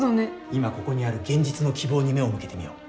いまここにある現実の希望に目を向けてみよう。